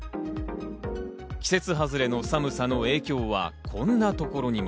季節外れの寒さの影響はこんなところにも。